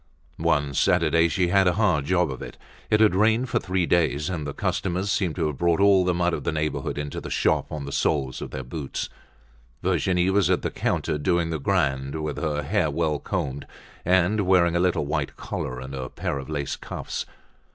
One Saturday she had a hard job of it. It had rained for three days and the customers seemed to have brought all the mud of the neighborhood into the shop on the soles of their boots. Virginie was at the counter doing the grand, with her hair well combed, and wearing a little white collar and a pair of lace cuffs.